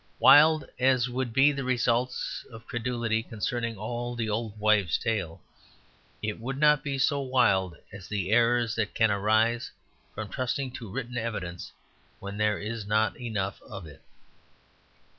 Wild as would be the results of credulity concerning all the old wives' tales, it would not be so wild as the errors that can arise from trusting to written evidence when there is not enough of it.